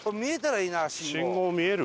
信号見える？